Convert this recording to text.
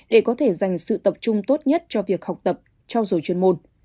để có thể dành sự tập trung tốt nhất cho việc học tập trao dồi chuyên môn